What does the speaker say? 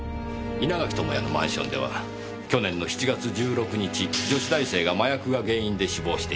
稲垣智也のマンションでは去年の７月１６日女子大生が麻薬が原因で死亡しています。